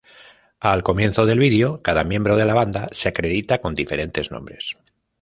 Al comienzo del video, cada miembro de la banda se acredita con diferentes nombres.